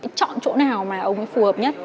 chọn chỗ nào mà ông phù hợp nhất